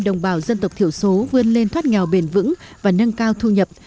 dân tộc thiểu số vươn lên thoát nghèo bền vững và nâng cao thu nhập